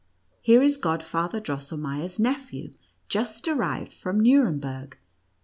Here is Godfather Drosselmeier's nephew, just arrived from Nuremberg !